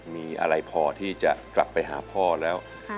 มีอะไรพอที่จะกลับไปหาพ่อแล้ว